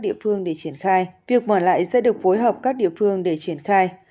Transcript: địa phương để triển khai việc mở lại sẽ được phối hợp các địa phương để triển khai